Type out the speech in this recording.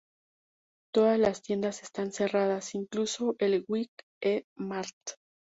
Todas las tiendas están cerradas, incluso el Kwik-E-Mart.